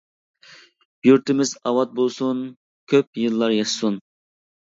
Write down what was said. يۇرتىمىز ئاۋات بولسۇن، كۆپ يىللار ياشىسۇن!